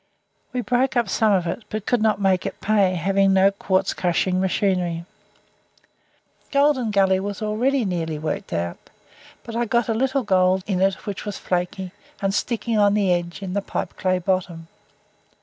We broke up some of it, but could not make it pay, having no quartz crushing machinery. Golden Gully was already nearly worked out, but I got a little gold in it which was flaky, and sticking on edge in the pipeclay bottom.